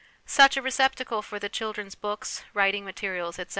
Such a receptacle for the children's books, writing materials, etc.